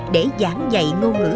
để giảng dạy ngôn ngữ